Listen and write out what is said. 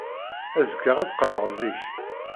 Azekka ad d-qqleɣ zik.